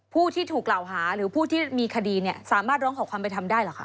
ผู้ที่ถูกกล่าวหาหรือผู้ที่มีคดีเนี่ยสามารถร้องขอความเป็นธรรมได้เหรอคะ